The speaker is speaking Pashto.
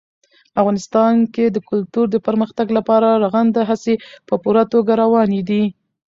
افغانستان کې د کلتور د پرمختګ لپاره رغنده هڅې په پوره توګه روانې دي.